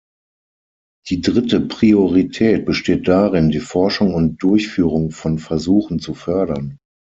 Die dritte Priorität besteht darin, die Forschung und Durchführung von Versuchen zu fördern.